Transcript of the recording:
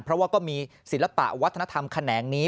เพราะว่าก็มีศิลปะวัฒนธรรมแขนงนี้